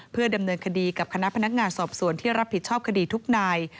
เพื่อดำเนินคดีกับคณะพนักงานสอบสวนที่รับผิดชอบคดีทุกนาย